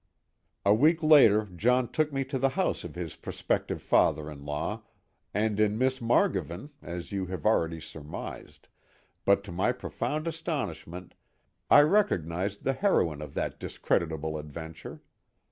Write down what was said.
A week later John took me to the house of his prospective father in law, and in Miss Margovan, as you have already surmised, but to my profound astonishment, I recognized the heroine of that discreditable adventure.